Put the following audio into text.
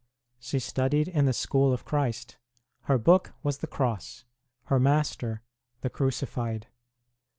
She studied in the school of Christ ; her book was the Cross; her Master the Crucified.